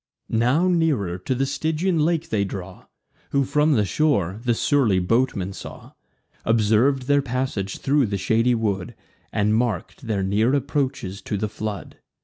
Now nearer to the Stygian lake they draw: Whom, from the shore, the surly boatman saw; Observ'd their passage thro' the shady wood, And mark'd their near approaches to the flood.